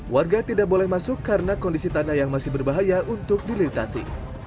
warga tidak boleh masuk karena kondisi tanah yang masih berbahaya untuk dilintasi